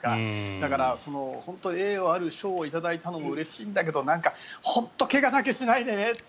だから、栄誉ある賞を頂いたのもうれしいんだけど本当に怪我だけしないでねって。